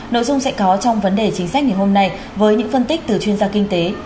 nội dung sẽ có trong vấn đề chính sách ngày hôm nay với những phân tích từ chuyên gia kinh tế tiến sĩ nguyễn mình phòng